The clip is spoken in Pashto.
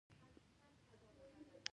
لرګي د ځینو کښتو لپاره اړین مواد دي.